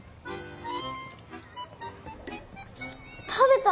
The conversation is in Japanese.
食べた！